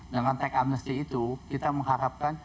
dengan tech amnesty itu kita mengharapkan